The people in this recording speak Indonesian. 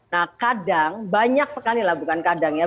nah kadang banyak sekali lah bukan kadang ya